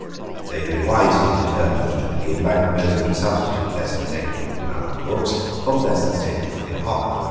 They very wisely determined to begin by proposing to substitute lessons taken from the canonical books for the lessons taken from the Apocrypha.